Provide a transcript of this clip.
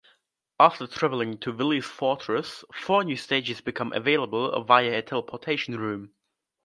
After traveling to Wily's fortress, four new stages become available via a teleportation room.